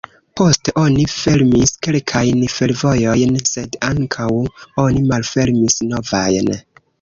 Poste oni fermis kelkajn fervojojn sed ankaŭ oni malfermis novajn.